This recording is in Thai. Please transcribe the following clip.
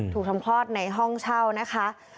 ทำคลอดในห้องเช่านะคะ